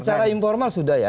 secara informal sudah ya